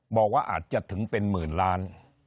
บอกว่าอาจจะถึงเป็นหมื่นล้าน